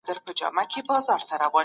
سرعت او دقت دواړه مهم دي.